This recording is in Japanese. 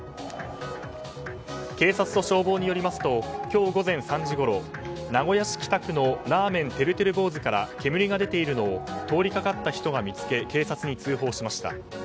警察と消防によりますと今日午前３時ごろ名古屋北区のラーメンてるてる坊主から煙が出ているのを通りかかった人が見つけ警察に通報しました。